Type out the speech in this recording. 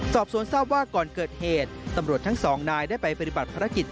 สอบสวนทราบว่าก่อนเกิดเหตุตำรวจทั้งสองนายได้ไปปฏิบัติภารกิจ